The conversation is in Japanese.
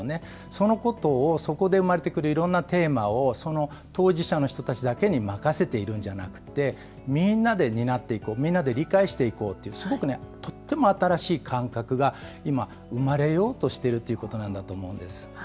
そのことをそこで生まれてくるいろんなテーマを、その当事者の人たちだけに任せているんじゃなくて、みんなで担っていこう、みんなで理解していこうって、すごくとっても新しい感覚が今、生まれようとしているということなんだと思うんです。